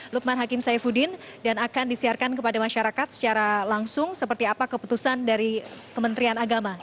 lukman hakim saifuddin dan akan disiarkan kepada masyarakat secara langsung seperti apa keputusan dari kementerian agama